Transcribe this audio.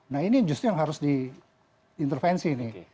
nah ini justru yang harus diintervensi nih